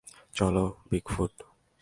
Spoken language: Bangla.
চলো, বিগফুট।